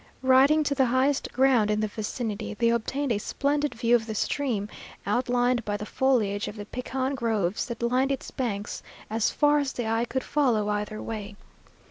Riding to the highest ground in the vicinity, they obtained a splendid view of the stream, outlined by the foliage of the pecan groves that lined its banks as far as the eye could follow either way.